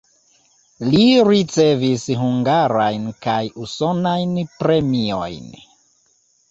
Li ricevis hungarajn kaj usonajn premiojn.